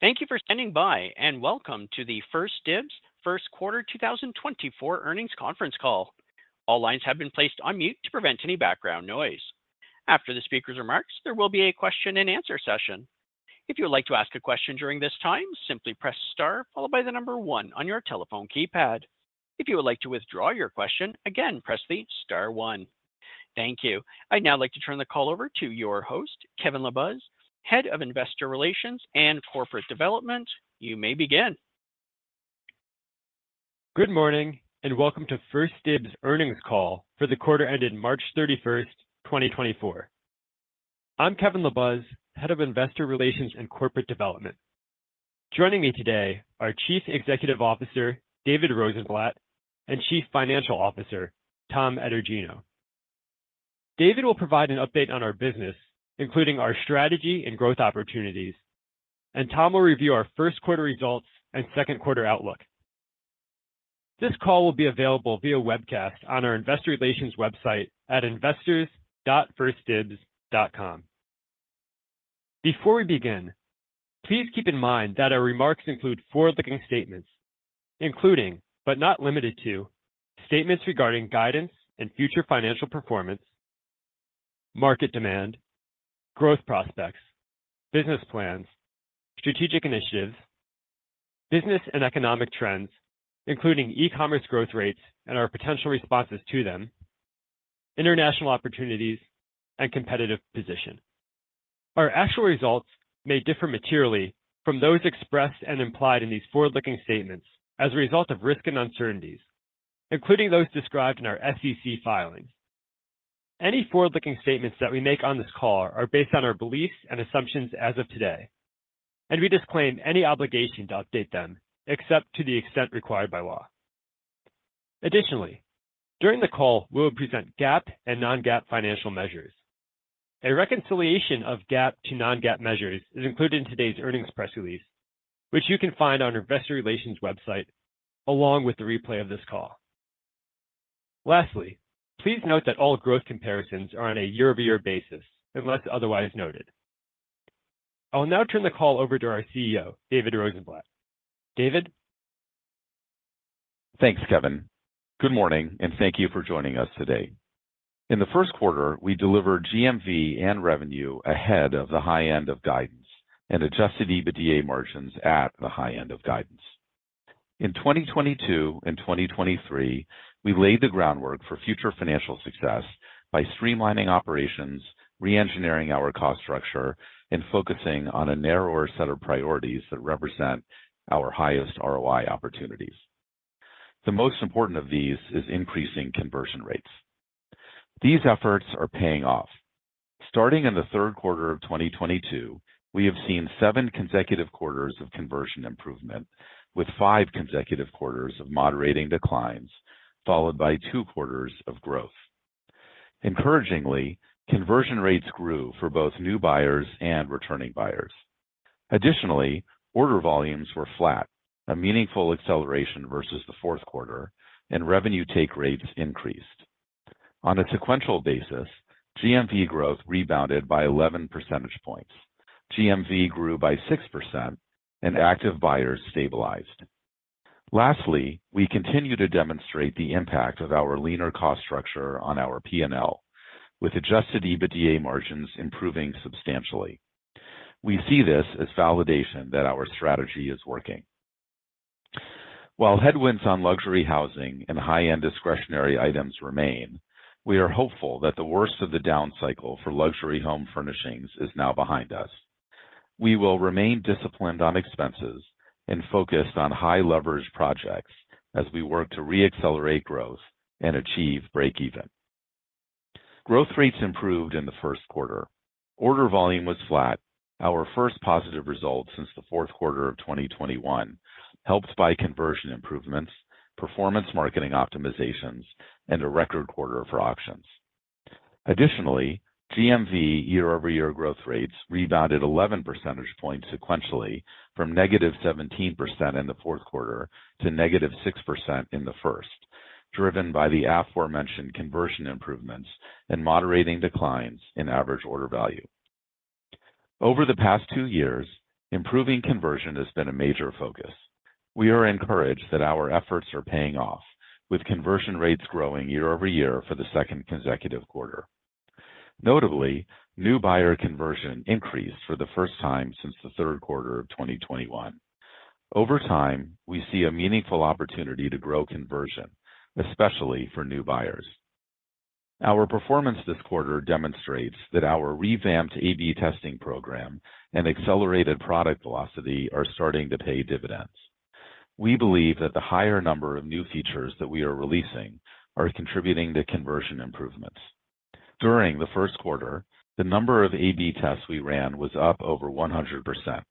Thank you for standing by, and welcome to the 1stDibs first quarter 2024 earnings conference call. All lines have been placed on mute to prevent any background noise. After the speaker's remarks, there will be a question-and-answer session. If you would like to ask a question during this time, simply press star followed by the number 1 on your telephone keypad. If you would like to withdraw your question, again press the star 1. Thank you. I'd now like to turn the call over to your host, Kevin LaBuz, Head of Investor Relations and Corporate Development. You may begin. Good morning and welcome to 1stDibs earnings call for the quarter ended March 31, 2024. I'm Kevin LaBuz, Head of Investor Relations and Corporate Development. Joining me today are Chief Executive Officer David Rosenblatt and Chief Financial Officer, Tom Etergino. David will provide an update on our business, including our strategy and growth opportunities, and Tom will review our first quarter results and second quarter outlook. This call will be available via webcast on our Investor Relations website at investors.1stdibs.com. Before we begin, please keep in mind that our remarks include forward-looking statements, including, but not limited to, statements regarding guidance and future financial performance, market demand, growth prospects, business plans, strategic initiatives, business and economic trends, including e-commerce growth rates and our potential responses to them, international opportunities, and competitive position. Our actual results may differ materially from those expressed and implied in these forward-looking statements as a result of risk and uncertainties, including those described in our SEC filings. Any forward-looking statements that we make on this call are based on our beliefs and assumptions as of today, and we disclaim any obligation to update them except to the extent required by law. Additionally, during the call we will present GAAP and non-GAAP financial measures. A reconciliation of GAAP to non-GAAP measures is included in today's earnings press release, which you can find on our Investor Relations website along with the replay of this call. Lastly, please note that all growth comparisons are on a year-over-year basis unless otherwise noted. I'll now turn the call over to our CEO, David Rosenblatt. David? Thanks, Kevin. Good morning and thank you for joining us today. In the first quarter, we delivered GMV and revenue ahead of the high end of guidance, and adjusted EBITDA margins at the high end of guidance. In 2022 and 2023, we laid the groundwork for future financial success by streamlining operations, re-engineering our cost structure, and focusing on a narrower set of priorities that represent our highest ROI opportunities. The most important of these is increasing conversion rates. These efforts are paying off. Starting in the third quarter of 2022, we have seen seven consecutive quarters of conversion improvement, with five consecutive quarters of moderating declines, followed by two quarters of growth. Encouragingly, conversion rates grew for both new buyers and returning buyers. Additionally, order volumes were flat, a meaningful acceleration versus the fourth quarter, and revenue take rates increased. On a sequential basis, GMV growth rebounded by 11 percentage points, GMV grew by 6%, and active buyers stabilized. Lastly, we continue to demonstrate the impact of our leaner cost structure on our P&L, with Adjusted EBITDA margins improving substantially. We see this as validation that our strategy is working. While headwinds on luxury housing and high-end discretionary items remain, we are hopeful that the worst of the down cycle for luxury home furnishings is now behind us. We will remain disciplined on expenses and focused on high-leverage projects as we work to re-accelerate growth and achieve break-even. Growth rates improved in the first quarter. Order volume was flat, our first positive result since the fourth quarter of 2021, helped by conversion improvements, performance marketing optimizations, and a record quarter for auctions. Additionally, GMV year-over-year growth rates rebounded 11 percentage points sequentially from -17% in the fourth quarter to -6% in the first, driven by the aforementioned conversion improvements and moderating declines in average order value. Over the past two years, improving conversion has been a major focus. We are encouraged that our efforts are paying off, with conversion rates growing year-over-year for the second consecutive quarter. Notably, new buyer conversion increased for the first time since the third quarter of 2021. Over time, we see a meaningful opportunity to grow conversion, especially for new buyers. Our performance this quarter demonstrates that our revamped A/B testing program and accelerated product velocity are starting to pay dividends. We believe that the higher number of new features that we are releasing are contributing to conversion improvements. During the first quarter, the number of A/B tests we ran was up over 100%.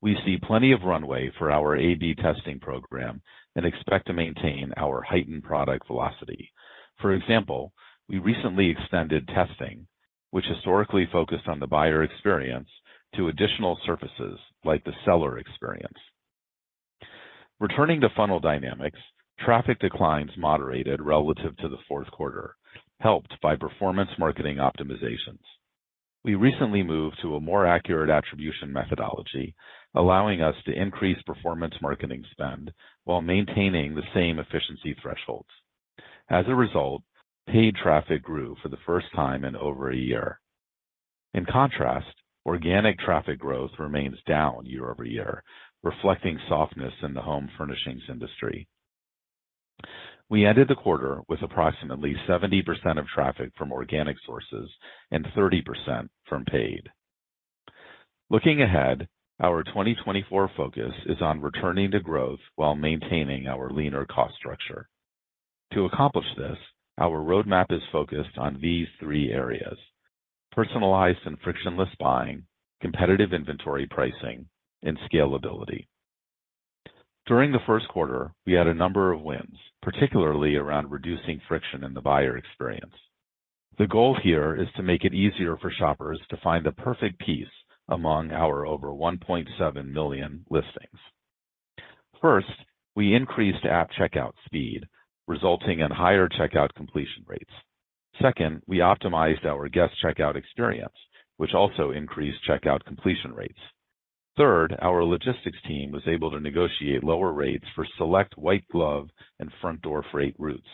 We see plenty of runway for our A/B testing program and expect to maintain our heightened product velocity. For example, we recently extended testing, which historically focused on the buyer experience, to additional surfaces like the seller experience. Returning to funnel dynamics, traffic declines moderated relative to the fourth quarter, helped by performance marketing optimizations. We recently moved to a more accurate attribution methodology, allowing us to increase performance marketing spend while maintaining the same efficiency thresholds. As a result, paid traffic grew for the first time in over a year. In contrast, organic traffic growth remains down year-over-year, reflecting softness in the home furnishings industry. We ended the quarter with approximately 70% of traffic from organic sources and 30% from paid. Looking ahead, our 2024 focus is on returning to growth while maintaining our leaner cost structure. To accomplish this, our roadmap is focused on these three areas: personalized and frictionless buying, competitive inventory pricing, and scalability. During the first quarter, we had a number of wins, particularly around reducing friction in the buyer experience. The goal here is to make it easier for shoppers to find the perfect piece among our over 1.7 million listings. First, we increased app checkout speed, resulting in higher checkout completion rates. Second, we optimized our guest checkout experience, which also increased checkout completion rates. Third, our logistics team was able to negotiate lower rates for select white glove and front door freight routes,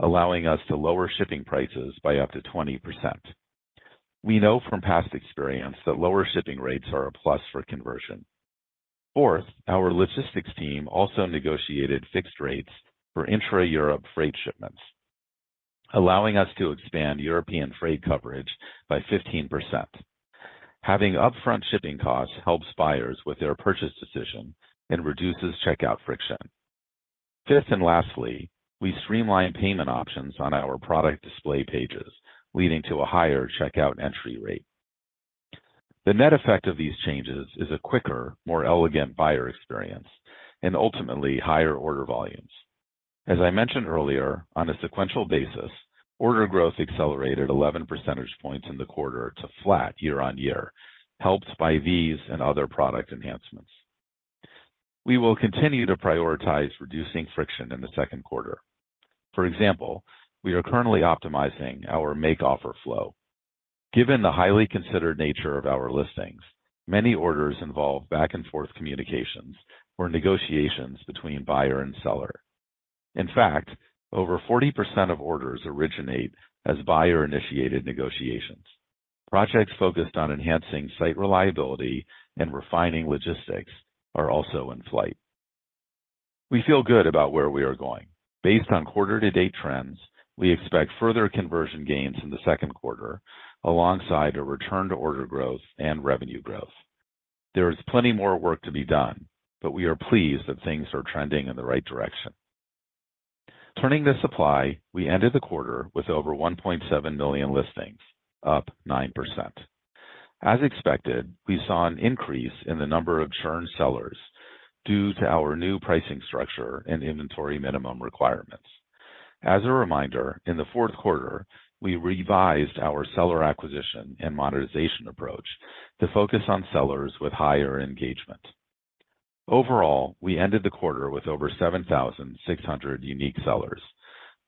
allowing us to lower shipping prices by up to 20%. We know from past experience that lower shipping rates are a plus for conversion. Fourth, our logistics team also negotiated fixed rates for intra-Europe freight shipments, allowing us to expand European freight coverage by 15%. Having upfront shipping costs helps buyers with their purchase decision and reduces checkout friction. Fifth and lastly, we streamlined payment options on our product display pages, leading to a higher checkout entry rate. The net effect of these changes is a quicker, more elegant buyer experience, and ultimately higher order volumes. As I mentioned earlier, on a sequential basis, order growth accelerated 11 percentage points in the quarter to flat year-over-year, helped by these and other product enhancements. We will continue to prioritize reducing friction in the second quarter. For example, we are currently optimizing our make-offer flow. Given the highly considered nature of our listings, many orders involve back-and-forth communications or negotiations between buyer and seller. In fact, over 40% of orders originate as buyer-initiated negotiations. Projects focused on enhancing site reliability and refining logistics are also in flight. We feel good about where we are going. Based on quarter-to-date trends, we expect further conversion gains in the second quarter, alongside a return-to-order growth and revenue growth. There is plenty more work to be done, but we are pleased that things are trending in the right direction. Turning to supply, we ended the quarter with over 1.7 million listings, up 9%. As expected, we saw an increase in the number of churned sellers due to our new pricing structure and inventory minimum requirements. As a reminder, in the fourth quarter, we revised our seller acquisition and monetization approach to focus on sellers with higher engagement. Overall, we ended the quarter with over 7,600 unique sellers,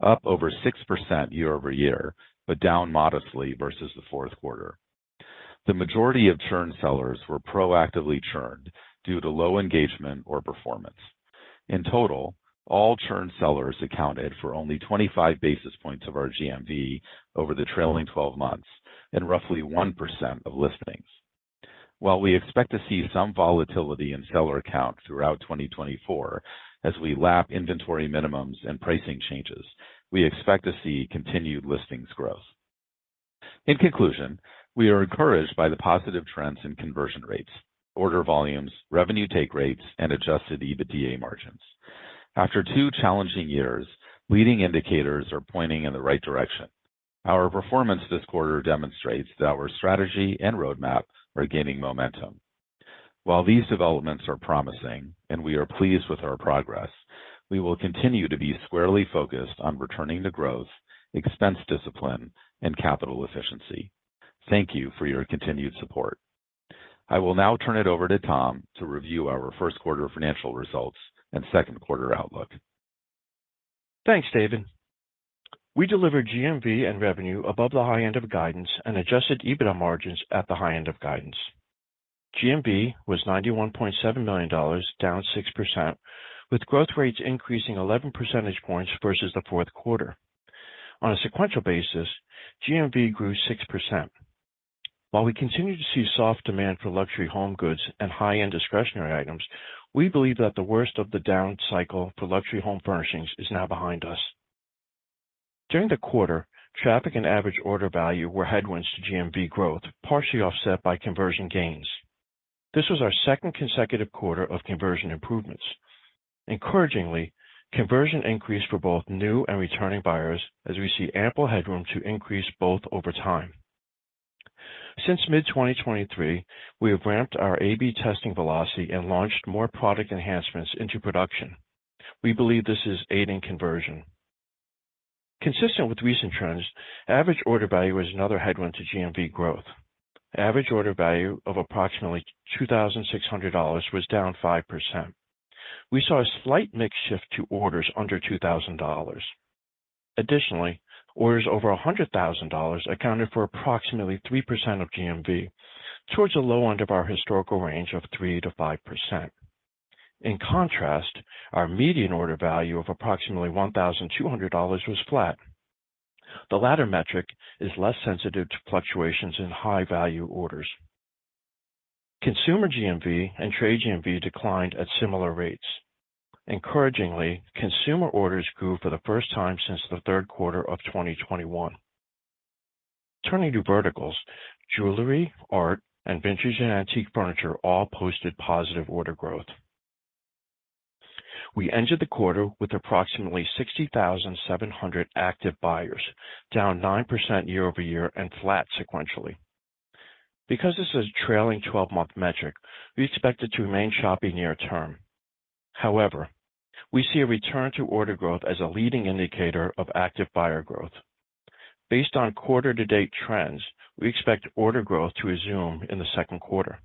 up over 6% year-over-year but down modestly versus the fourth quarter. The majority of churned sellers were proactively churned due to low engagement or performance. In total, all churned sellers accounted for only 25 basis points of our GMV over the trailing 12 months and roughly 1% of listings. While we expect to see some volatility in seller count throughout 2024 as we lap inventory minimums and pricing changes, we expect to see continued listings growth. In conclusion, we are encouraged by the positive trends in conversion rates, order volumes, revenue take rates, and Adjusted EBITDA margins. After two challenging years, leading indicators are pointing in the right direction. Our performance this quarter demonstrates that our strategy and roadmap are gaining momentum. While these developments are promising and we are pleased with our progress, we will continue to be squarely focused on returning to growth, expense discipline, and capital efficiency. Thank you for your continued support. I will now turn it over to Tom to review our first quarter financial results and second quarter outlook. Thanks, David. We delivered GMV and revenue above the high end of guidance and adjusted EBITDA margins at the high end of guidance. GMV was $91.7 million, down 6%, with growth rates increasing 11 percentage points versus the fourth quarter. On a sequential basis, GMV grew 6%. While we continue to see soft demand for luxury home goods and high-end discretionary items, we believe that the worst of the down cycle for luxury home furnishings is now behind us. During the quarter, traffic and average order value were headwinds to GMV growth, partially offset by conversion gains. This was our second consecutive quarter of conversion improvements. Encouragingly, conversion increased for both new and returning buyers as we see ample headroom to increase both over time. Since mid-2023, we have ramped our A/B testing velocity and launched more product enhancements into production. We believe this is aiding conversion. Consistent with recent trends, average order value is another headwind to GMV growth. Average order value of approximately $2,600 was down 5%. We saw a slight mixed shift to orders under $2,000. Additionally, orders over $100,000 accounted for approximately 3% of GMV, towards the low end of our historical range of 3%-5%. In contrast, our median order value of approximately $1,200 was flat. The latter metric is less sensitive to fluctuations in high-value orders. Consumer GMV and trade GMV declined at similar rates. Encouragingly, consumer orders grew for the first time since the third quarter of 2021. Turning to verticals, jewelry, art, and vintage and antique furniture all posted positive order growth. We ended the quarter with approximately 60,700 active buyers, down 9% year-over-year and flat sequentially. Because this is a trailing 12-month metric, we expect it to remain choppy near term. However, we see a return-to-order growth as a leading indicator of active buyer growth. Based on quarter-to-date trends, we expect order growth to resume in the second quarter.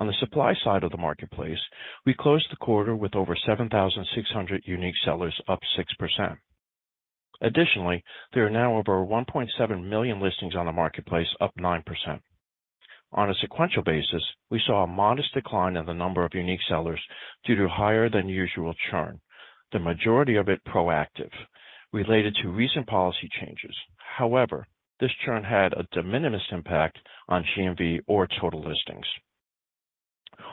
On the supply side of the marketplace, we closed the quarter with over 7,600 unique sellers, up 6%. Additionally, there are now over 1.7 million listings on the marketplace, up 9%. On a sequential basis, we saw a modest decline in the number of unique sellers due to higher-than-usual churn, the majority of it proactive, related to recent policy changes. However, this churn had a de minimis impact on GMV or total listings.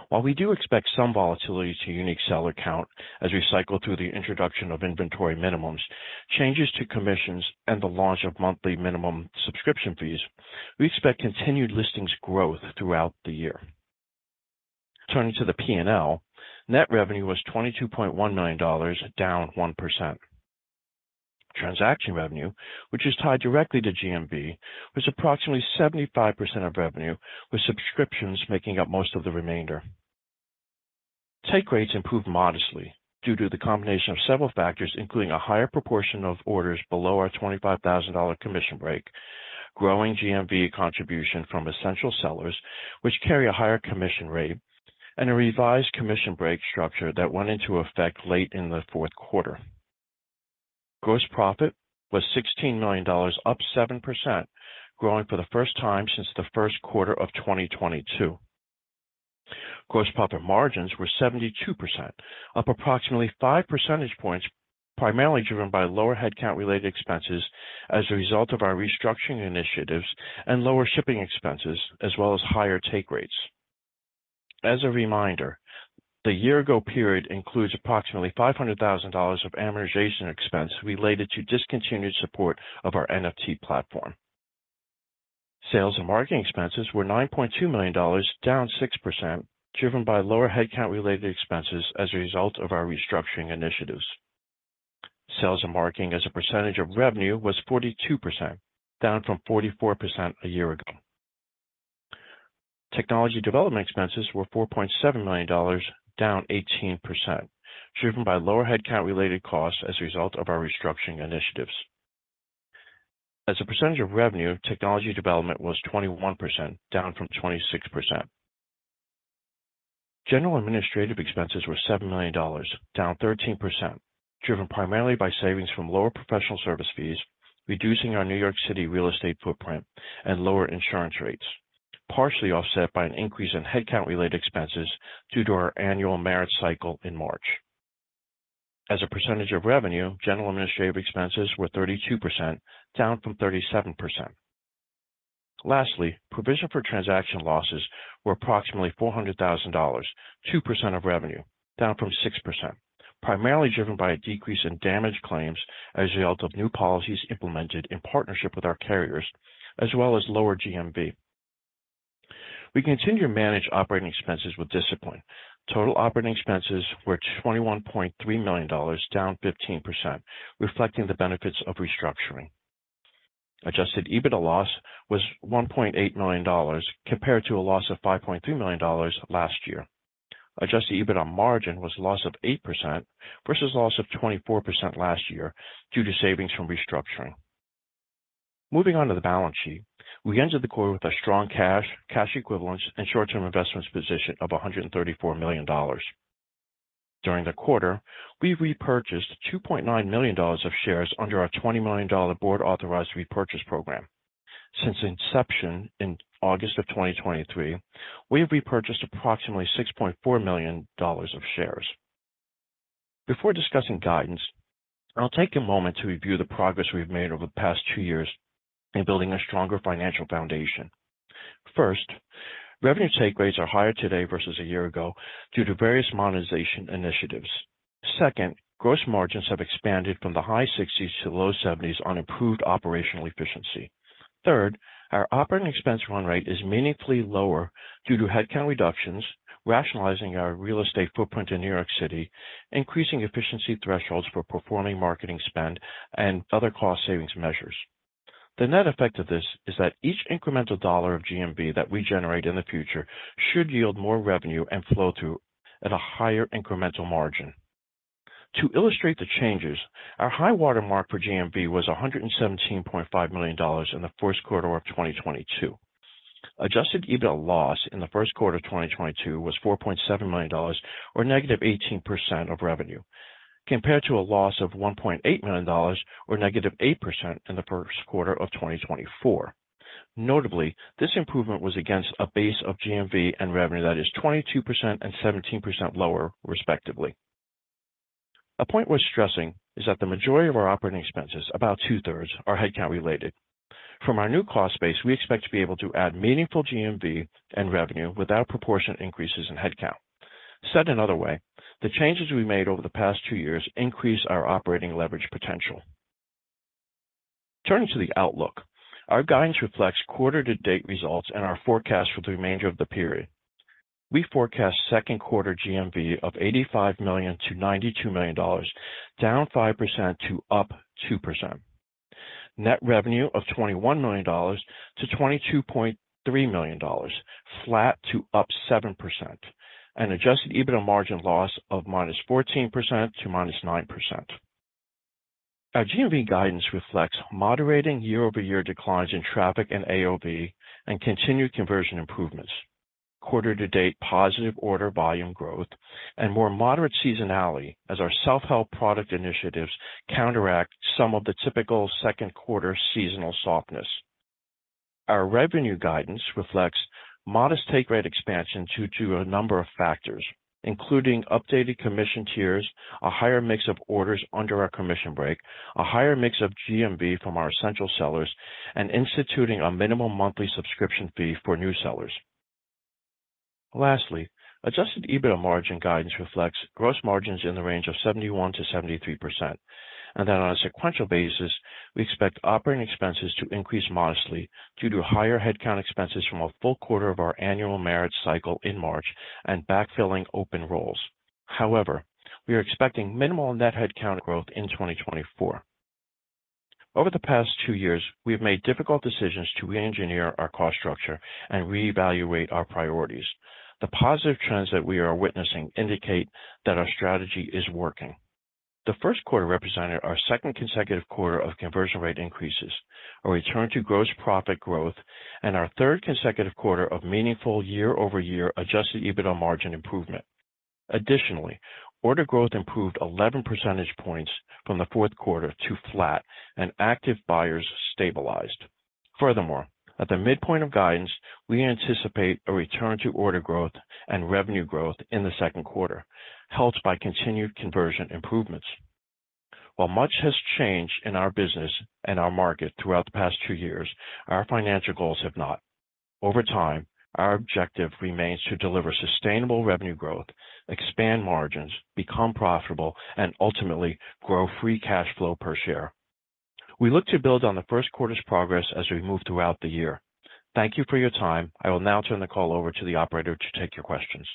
While we do expect some volatility to unique seller count as we cycle through the introduction of inventory minimums, changes to commissions, and the launch of monthly minimum subscription fees, we expect continued listings growth throughout the year. Turning to the P&L, net revenue was $22.1 million, down 1%. Transaction revenue, which is tied directly to GMV, was approximately 75% of revenue, with subscriptions making up most of the remainder. Take rates improved modestly due to the combination of several factors, including a higher proportion of orders below our $25,000 commission break, growing GMV contribution from essential sellers, which carry a higher commission rate, and a revised commission break structure that went into effect late in the fourth quarter. Gross profit was $16 million, up 7%, growing for the first time since the first quarter of 2022. Gross profit margins were 72%, up approximately 5 percentage points, primarily driven by lower headcount-related expenses as a result of our restructuring initiatives and lower shipping expenses, as well as higher take rates. As a reminder, the year-ago period includes approximately $500,000 of amortization expense related to discontinued support of our NFT platform. Sales and marketing expenses were $9.2 million, down 6%, driven by lower headcount-related expenses as a result of our restructuring initiatives. Sales and marketing, as a percentage of revenue, was 42%, down from 44% a year ago. Technology development expenses were $4.7 million, down 18%, driven by lower headcount-related costs as a result of our restructuring initiatives. As a percentage of revenue, technology development was 21%, down from 26%. General administrative expenses were $7 million, down 13%, driven primarily by savings from lower professional service fees, reducing our New York City real estate footprint, and lower insurance rates, partially offset by an increase in headcount-related expenses due to our annual merit cycle in March. As a percentage of revenue, general administrative expenses were 32%, down from 37%. Lastly, provision for transaction losses were approximately $400,000, 2% of revenue, down from 6%, primarily driven by a decrease in damage claims as a result of new policies implemented in partnership with our carriers, as well as lower GMV. We continue to manage operating expenses with discipline. Total operating expenses were $21.3 million, down 15%, reflecting the benefits of restructuring. Adjusted EBITDA loss was $1.8 million, compared to a loss of $5.3 million last year. Adjusted EBITDA margin was a loss of 8% versus a loss of 24% last year due to savings from restructuring. Moving on to the balance sheet, we ended the quarter with a strong cash, cash equivalents, and short-term investments position of $134 million. During the quarter, we repurchased $2.9 million of shares under our $20 million board-authorized repurchase program. Since inception in August of 2023, we have repurchased approximately $6.4 million of shares. Before discussing guidance, I'll take a moment to review the progress we've made over the past two years in building a stronger financial foundation. First, revenue take rates are higher today versus a year ago due to various monetization initiatives. Second, gross margins have expanded from the high 60s to low 70s on improved operational efficiency. Third, our operating expense run rate is meaningfully lower due to headcount reductions, rationalizing our real estate footprint in New York City, increasing efficiency thresholds for performance marketing spend, and other cost-savings measures. The net effect of this is that each incremental dollar of GMV that we generate in the future should yield more revenue and flow through at a higher incremental margin. To illustrate the changes, our high watermark for GMV was $117.5 million in the first quarter of 2022. Adjusted EBITDA loss in the first quarter of 2022 was $4.7 million, or negative 18% of revenue, compared to a loss of $1.8 million, or negative 8% in the first quarter of 2024. Notably, this improvement was against a base of GMV and revenue that is 22% and 17% lower, respectively. A point worth stressing is that the majority of our operating expenses, about two-thirds, are headcount-related. From our new cost base, we expect to be able to add meaningful GMV and revenue without proportionate increases in headcount. Said another way, the changes we made over the past two years increase our operating leverage potential. Turning to the outlook, our guidance reflects quarter-to-date results and our forecast for the remainder of the period. We forecast second quarter GMV of $85 million-$92 million, down 5% to up 2%. Net revenue of $21 million-$22.3 million, flat to up 7%, and adjusted EBITDA margin loss of -14% to -9%. Our GMV guidance reflects moderating year-over-year declines in traffic and AOV and continued conversion improvements, quarter-to-date positive order volume growth, and more moderate seasonality as our self-help product initiatives counteract some of the typical second quarter seasonal softness. Our revenue guidance reflects modest take rate expansion due to a number of factors, including updated commission tiers, a higher mix of orders under our commission break, a higher mix of GMV from our essential sellers, and instituting a minimal monthly subscription fee for new sellers. Lastly, Adjusted EBITDA margin guidance reflects gross margins in the range of 71%-73%, and that on a sequential basis, we expect operating expenses to increase modestly due to higher headcount expenses from a full quarter of our annual merit cycle in March and backfilling open roles. However, we are expecting minimal net headcount growth in 2024. Over the past two years, we have made difficult decisions to re-engineer our cost structure and reevaluate our priorities. The positive trends that we are witnessing indicate that our strategy is working. The first quarter represented our second consecutive quarter of conversion rate increases, a return to gross profit growth, and our third consecutive quarter of meaningful year-over-year Adjusted EBITDA margin improvement. Additionally, order growth improved 11 percentage points from the fourth quarter to flat, and active buyers stabilized. Furthermore, at the midpoint of guidance, we anticipate a return to order growth and revenue growth in the second quarter, helped by continued conversion improvements. While much has changed in our business and our market throughout the past two years, our financial goals have not. Over time, our objective remains to deliver sustainable revenue growth, expand margins, become profitable, and ultimately grow free cash flow per share. We look to build on the first quarter's progress as we move throughout the year. Thank you for your time. I will now turn the call over to the operator to take your questions.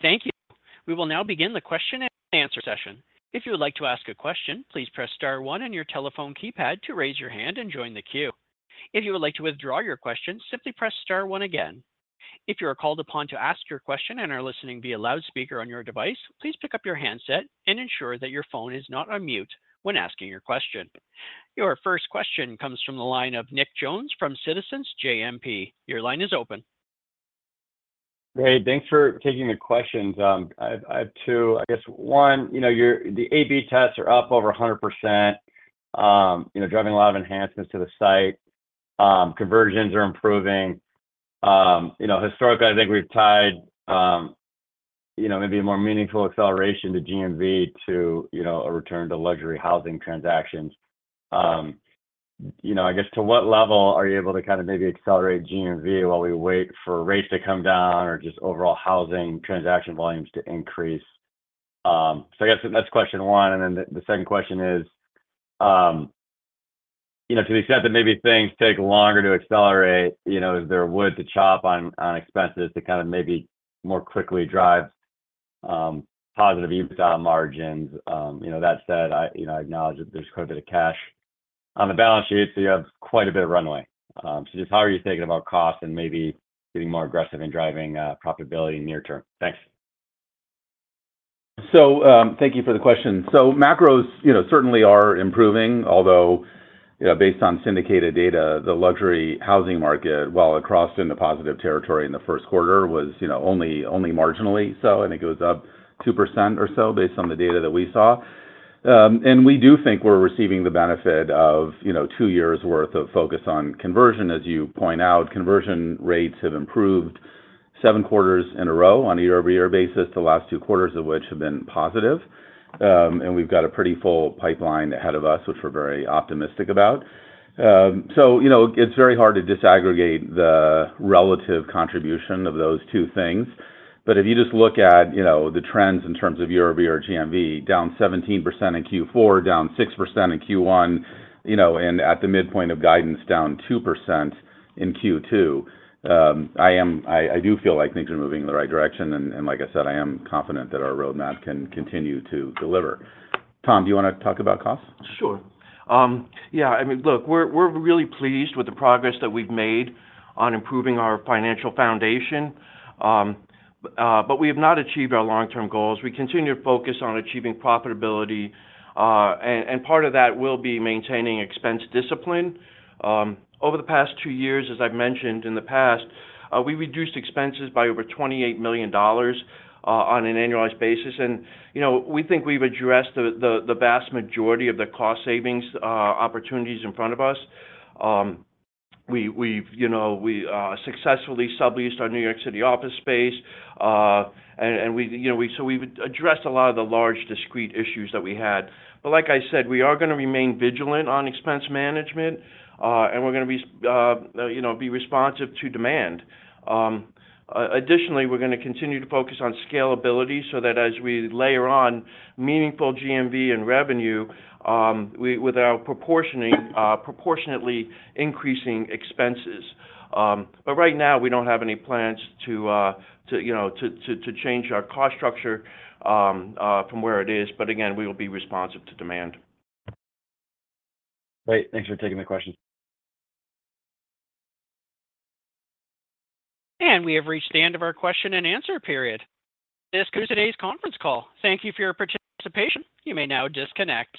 Thank you. We will now begin the question-and-answer session. If you would like to ask a question, please press star one on your telephone keypad to raise your hand and join the queue. If you would like to withdraw your question, simply press star one again. If you are called upon to ask your question and are listening via loudspeaker on your device, please pick up your handset and ensure that your phone is not on mute when asking your question. Your first question comes from the line of Nick Jones from Citizens JMP. Your line is open. Great. Thanks for taking the questions. I have two. I guess one, the A/B tests are up over 100%, driving a lot of enhancements to the site. Conversions are improving. Historically, I think we've tied maybe a more meaningful acceleration to GMV to a return to luxury housing transactions. I guess to what level are you able to kind of maybe accelerate GMV while we wait for rates to come down or just overall housing transaction volumes to increase? So I guess that's question one. And then the second question is, to the extent that maybe things take longer to accelerate, is there wood to chop on expenses to kind of maybe more quickly drive positive EBITDA margins? That said, I acknowledge that there's quite a bit of cash on the balance sheet, so you have quite a bit of runway. Just how are you thinking about costs and maybe getting more aggressive in driving profitability near term? Thanks. So thank you for the question. So macros certainly are improving, although based on syndicated data, the luxury housing market, while it crossed into positive territory in the first quarter, was only marginally so. I think it was up 2% or so based on the data that we saw. And we do think we're receiving the benefit of two years' worth of focus on conversion. As you point out, conversion rates have improved seven quarters in a row on a year-over-year basis, the last two quarters of which have been positive. And we've got a pretty full pipeline ahead of us, which we're very optimistic about. So it's very hard to disaggregate the relative contribution of those two things. But if you just look at the trends in terms of year-over-year GMV, down 17% in Q4, down 6% in Q1, and at the midpoint of guidance, down 2% in Q2, I do feel like things are moving in the right direction. And like I said, I am confident that our roadmap can continue to deliver. Tom, do you want to talk about costs? Sure. Yeah. I mean, look, we're really pleased with the progress that we've made on improving our financial foundation. But we have not achieved our long-term goals. We continue to focus on achieving profitability. And part of that will be maintaining expense discipline. Over the past two years, as I've mentioned in the past, we reduced expenses by over $28 million on an annualized basis. And we think we've addressed the vast majority of the cost savings opportunities in front of us. We successfully subleased our New York City office space. And so we've addressed a lot of the large discrete issues that we had. But like I said, we are going to remain vigilant on expense management, and we're going to be responsive to demand. Additionally, we're going to continue to focus on scalability so that as we layer on meaningful GMV and revenue, without proportionately increasing expenses. But right now, we don't have any plans to change our cost structure from where it is. But again, we will be responsive to demand. Great. Thanks for taking the questions. We have reached the end of our question-and-answer period. This concludes today's conference call. Thank you for your participation. You may now disconnect.